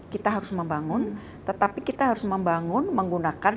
kita harus membangun tetapi kita harus membangun menggunakan